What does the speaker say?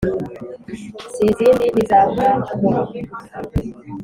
si izindi ni za nka nkuru,